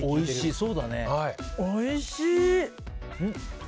おいしい。